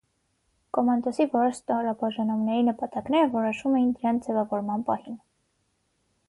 Կոմանդոսի որոշ ստորաբաժանումների նպատակները որոշվում էին դրանց ձևավորման պահին։